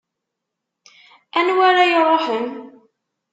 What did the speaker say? Anwa ara iruḥen?